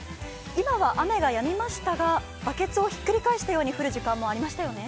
今は雨がやみましたが、バケツをひっくり返したように降る時間もありましたよね。